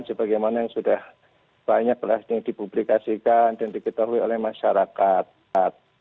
sebagaimana yang sudah banyak berhasil dipublikasikan dan diketahui oleh masyarakat